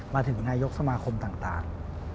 มาถึงนายกสมาคมต่าง